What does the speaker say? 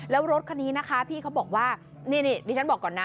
แล้วรถคันนี้นะคะพี่เขาบอกว่านี่ดิฉันบอกก่อนนะ